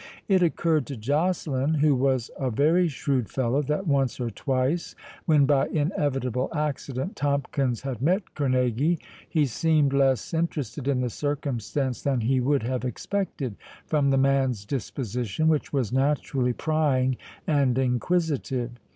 It occurred to Joceline, who was a very shrewd fellow, that once or twice, when by inevitable accident Tomkins had met Kerneguy, he seemed less interested in the circumstance than he would have expected from the man's disposition, which was naturally prying and inquisitive.